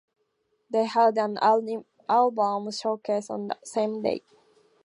They held an album showcase on the same day.